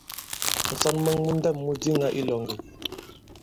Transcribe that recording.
Ǹsɔn mwɛ̄ŋ mu ndɛ̂m mu diŋā i ilòŋgɛ.